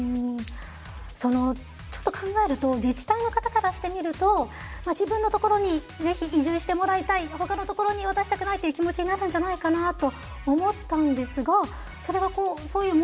そのちょっと考えると自治体の方からしてみると自分のところにぜひ移住してもらいたい他のところに渡したくないという気持ちになるんじゃないかなと思ったんですがそれはそういう問題は起きなかったんですか？